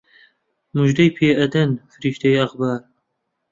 موژدەی پێ ئەدەن فریشتەی ئەخبار